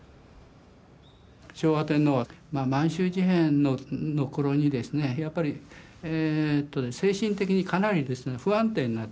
昭和天皇は満州事変の頃にですねやっぱり精神的にかなり不安定になってると。